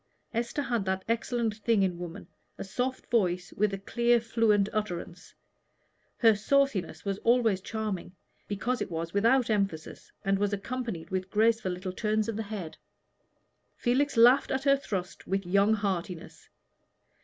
Esther had that excellent thing in woman, a soft voice with clear fluent utterance. Her sauciness was always charming because it was without emphasis, and was accompanied with graceful little turns of the head. Felix laughed at her thrust with young heartiness.